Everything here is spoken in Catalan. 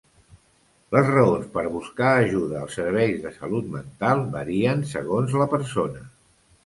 Les raons per buscar ajuda als serveis de salut mental varien segons la persona.